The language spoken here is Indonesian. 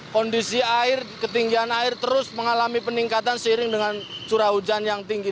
kondisi air ketinggian air terus mengalami peningkatan seiring dengan curah hujan yang tinggi